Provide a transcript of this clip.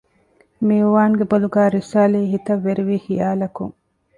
މިއުވާންގެ ބޮލުގައި ރިއްސާލީ ހިތަށް ވެރިވި ޚިޔާލަކުން